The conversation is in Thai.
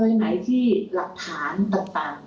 ไหนที่หลักฐานต่าง